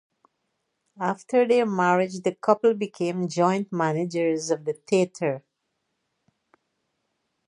After their marriage the couple became joint managers of the theatre.